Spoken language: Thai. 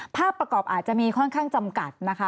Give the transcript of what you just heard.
ภาพประกอบอาจจะมีค่อนข้างจำกัดนะคะ